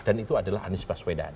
dan itu adalah anies baswedan